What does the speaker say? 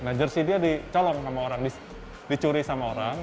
nah jersi dia dicolong sama orang dicuri sama orang